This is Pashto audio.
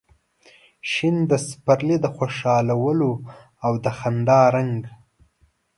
شین د سپرلي د خوشحالو او د خندا رنګ